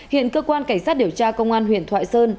hiện cơ quan cảnh sát điều tra công an huyện thoại sơn